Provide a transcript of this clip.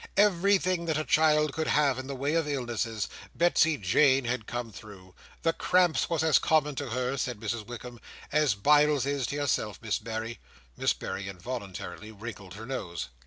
Everything that a child could have in the way of illnesses, Betsey Jane had come through. The cramps was as common to her," said Mrs Wickam, "as biles is to yourself, Miss Berry." Miss Berry involuntarily wrinkled her nose.